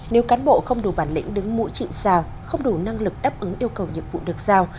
nếu cán bộ không đủ bản lĩnh đứng mũi chịu sao không đủ năng lực đáp ứng yêu cầu nhiệm vụ được giao